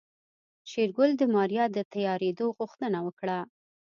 شېرګل د ماريا د تيارېدو غوښتنه وکړه.